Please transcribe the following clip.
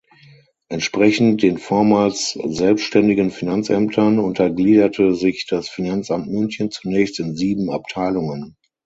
Entsprechend den vormals selbständigen Finanzämtern untergliederte sich das Finanzamt München zunächst in sieben Abteilungen.